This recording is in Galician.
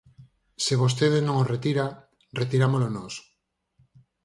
Se vostede non o retira, retirámolo nós.